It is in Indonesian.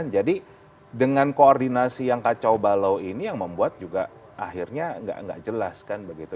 jadi dengan koordinasi yang kacau balau ini yang membuat juga akhirnya gak jelas kan begitu